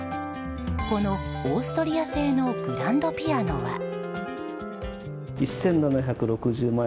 このオーストリア製のグランドピアノは。